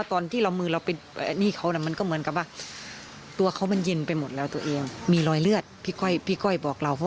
ที่มึงแล้วก็ที่เท้า